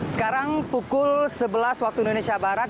sekarang pukul sebelas waktu indonesia barat